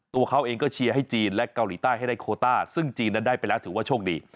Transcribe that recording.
ตัวเขาเองก็เชียร์ให้จีนและเกาหลีใต้ให้ได้โคต้าซึ่งจีนนั้นได้ไปแล้วถือว่าโชคดี